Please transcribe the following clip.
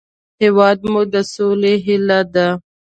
هېواد مو د سولې هیله ده